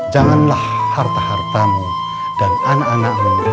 janganlah harta hartamu dan anak anakmu